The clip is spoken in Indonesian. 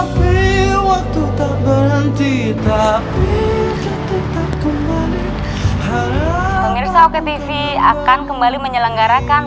pemirsa oktv akan kembali menyelenggarakan